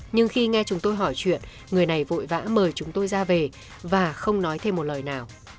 nhưng khi nghe chúng tôi hỏi chuyện người này vội vã mời chúng tôi ra về và không nói thêm một lời nào